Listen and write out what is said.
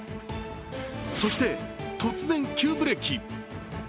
そして突然、急ブレーキ。